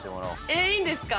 えいいんですか？